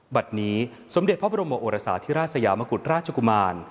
บัตรนี้สมเด็จพระบรมโอรสาธิราชยามกุฎราชกุมาร